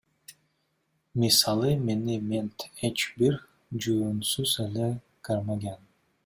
Мисалы, мени мент эч бир жүйөөсүз эле кармаган.